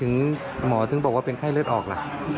แต่ทำไมหมอถึงบอกว่าเป็นไข้เลือดออกล่ะ